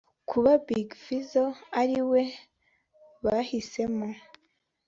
Kuba Big Fizzo ariwe bahisemo